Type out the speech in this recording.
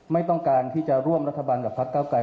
ไม่ต้องการที่จะร่วมรัฐบาลกับภาคก้าวกลาย